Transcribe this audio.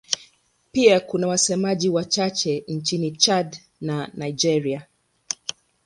Pia kuna wasemaji wachache nchini Chad na Nigeria.